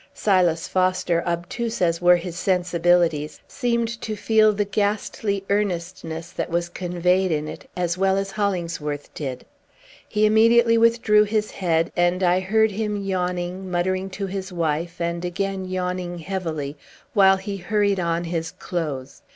Silas Foster, obtuse as were his sensibilities, seemed to feel the ghastly earnestness that was conveyed in it as well as Hollingsworth did. He immediately withdrew his head, and I heard him yawning, muttering to his wife, and again yawning heavily, while he hurried on his clothes.